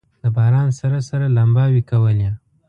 د باران سره سره لمباوې کولې.